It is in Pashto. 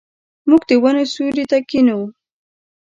موږ د ونو سیوري ته کښینو.